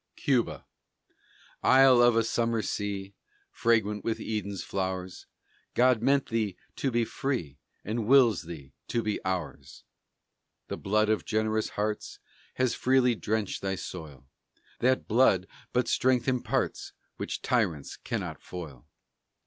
CUBA Isle of a summer sea, Fragrant with Eden's flowers, God meant thee to be free, And wills thee to be ours! The blood of generous hearts Has freely drenched thy soil; That blood but strength imparts, Which tyrants cannot foil!